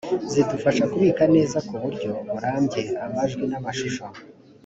zidufasha kubika neza ku buryo burambye amajwi n amashusho